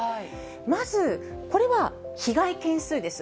まず、これは被害件数です。